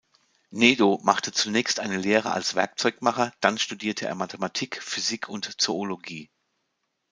Nedo machte zunächst eine Lehre als Werkzeugmacher, dann studierte er Mathematik, Physik und Zoologie.